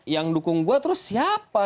yang mendukung gua terus siapa